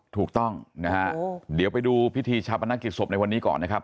ถูกต้องนะฮะเดี๋ยวไปดูพิธีชาปนกิจศพในวันนี้ก่อนนะครับ